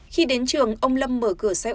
khi đến trường ông lâm mở cửa xe ô tô